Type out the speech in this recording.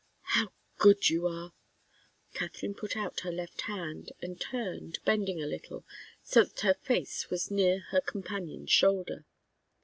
"How good you are!" Katharine put out her left hand, and turned, bending a little, so that her face was near her companion's shoulder.